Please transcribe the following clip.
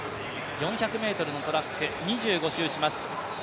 ４００ｍのトラックを２５周します。